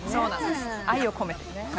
愛を込めて。